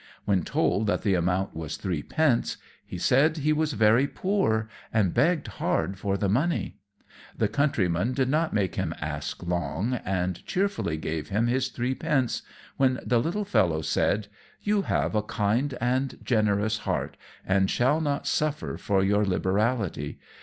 When told that the amount was three pence, he said he was very poor, and begged hard for the money. The Countryman did not make him ask long, and cheerfully gave him his three pence, when the little fellow said "You have a kind, generous heart, and shall not suffer for your liberality.